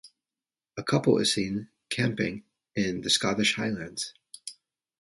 A couple is seen camping in the Scottish Highlands.